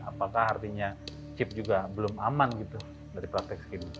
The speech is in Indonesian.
apakah artinya chip juga belum aman gitu dari praktek skim